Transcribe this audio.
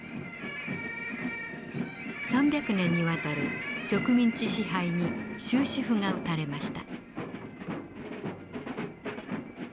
３００年にわたる植民地支配に終止符が打たれました。